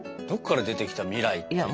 どっから出てきた未来って。